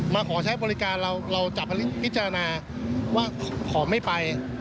มาขอใช้บริการเราจะพิจารณาว่าขอไม่ไป